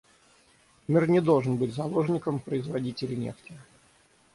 Мир не должен быть заложником производителей нефти.